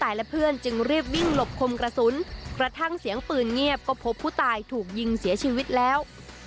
และเพื่อนจึงรีบวิ่งหลบคมกระสุนกระทั่งเสียงปืนเงียบก็พบผู้ตายถูกยิงเสียชีวิตแล้ว